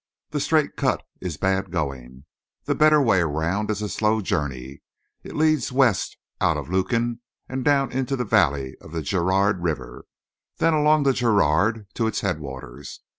The straight cut is bad going. The better way around is a slow journey. It leads west out of Lukin and down into the valley of the Girard River; then along the Girard to its headwaters.